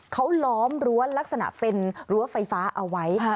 เขาล้อมรั้วลักษณะเป็นรั้วไฟฟ้าเอาไว้